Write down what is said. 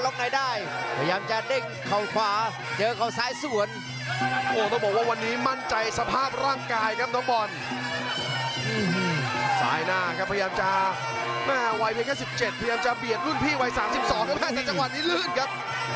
พยายามจะเบียดรุ่นพี่วัย๓๒ครับแม่แต่จังหวัดนี้ลื้นครับ